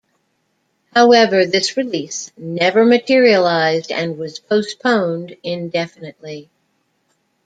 However, this release never materialized and was postponed indefinitely.